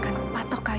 aku ridik tangkangmu